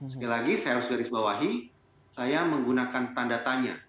sekali lagi saya harus garis bawahi saya menggunakan tanda tanya